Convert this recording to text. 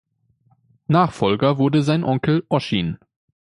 Nachfolger wurde sein Onkel Oschin.